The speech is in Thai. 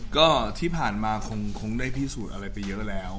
ก็ที่ผ่านมาคงได้พิสูจน์อะไรไปเยอะแล้ว